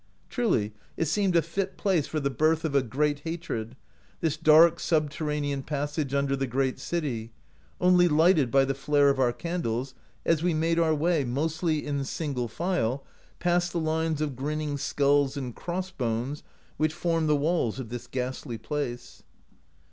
Truly, it seemed a fit place for the birth of a great hatred, this dark subter ranean passage under the great city, only lighted by the flare of our candles, as we made our way, mostly in single file, past the lines of grinning skulls and cross bones which formed the walls of this ghastly place.